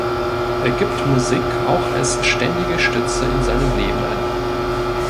Er gibt Musik auch als ständige Stütze in seinem Leben an.